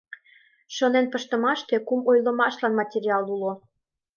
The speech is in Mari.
Шонен пыштымаште кум ойлымашлан материал уло.